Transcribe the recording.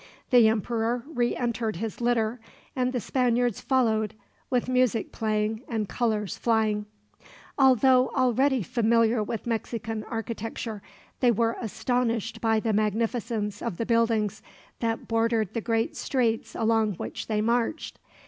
The emperor re entered his litter, and the Spaniards followed, with music playing and colors flying. Although already familiar with Mexican architecture, they were astonished by the magnificence of the buildings that bordered the great streets along which they marched.